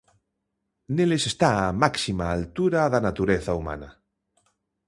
Neles está a máxima altura da natureza humana.